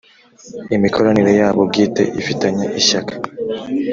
Imikoranire yabo bwite ifitanye ishyaka.